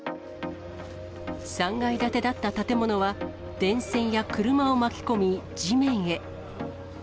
３階建てだった建物は電線や車を巻き込み、地面へ。